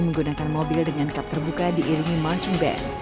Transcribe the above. menggunakan mobil dengan kap terbuka diiringi marching band